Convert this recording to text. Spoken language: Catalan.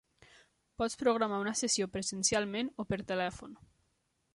Pots programar una sessió presencialment o per telèfon.